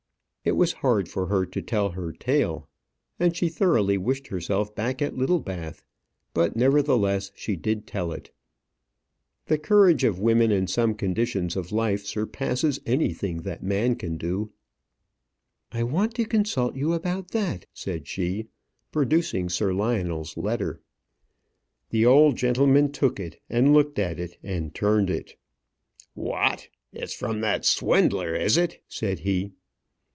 It was hard for her to tell her tale; and she thoroughly wished herself back at Littlebath; but, nevertheless, she did tell it. The courage of women in some conditions of life surpasses anything that man can do. "I want to consult you about that," said she, producing Sir Lionel's letter. The old gentleman took it, and looked at it, and turned it. "What! it's from that swindler, is it?" said he.